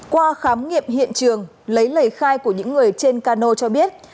qua khám nghiệm hiện trường lấy lời khai của những người trên cano cho biết